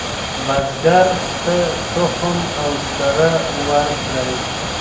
بزګر ته تخم او سره ورکړئ.